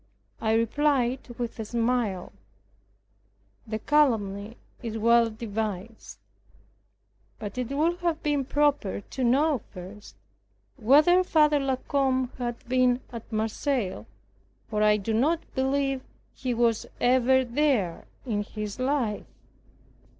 I replied with a smile, "The calumny is well devised; but it would have been proper to know first whether Father La Combe had been at Marseilles, for I do not believe he was ever there in his life.